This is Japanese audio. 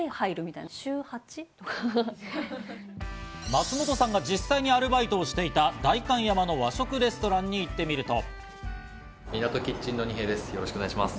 松本さんが実際にアルバイトをしていた代官山の和食レストランに行ってみると。